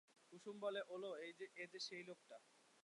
কুসুম বলে, ওলো, এ যে সেই লোকটা।